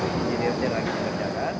ini ini yang sedang dikerjakan